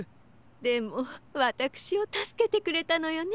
でもわたくしをたすけてくれたのよね。